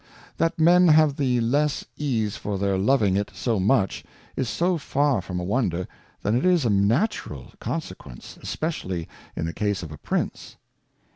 That Men have the less Ease for their loving it so much, is so far from a wonder, that it is a natural Consequence, especially in the case of a Prince.